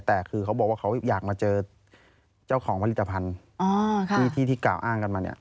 แต่คือเขาบอกว่าเขาอยากมาเจอเจ้าของผลิตภัณฑ์ที่กล่าวอ้างกันมาเนี่ย